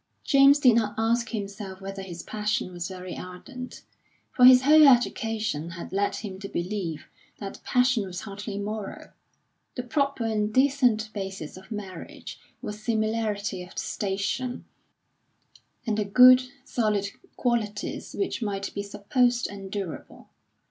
James did not ask himself whether his passion was very ardent, for his whole education had led him to believe that passion was hardly moral. The proper and decent basis of marriage was similarity of station, and the good, solid qualities which might be supposed endurable.